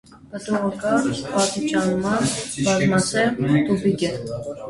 Պտուղը կարճ, պատիճանման, բազմասերմ տուփիկ է։